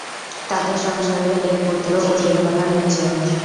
তাদের সংসারে এক পুত্র ও দুই কন্যা রয়েছে।